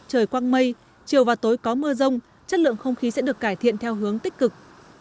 trời quang mây chiều và tối có mưa rông chất lượng không khí sẽ được cải thiện theo hướng tích cực